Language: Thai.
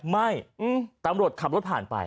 ไม่ตำรวจขับรถผ่านไป